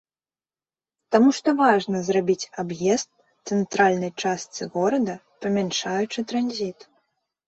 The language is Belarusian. Таму што важна зрабіць аб'езд цэнтральнай частцы горада, памяншаючы транзіт.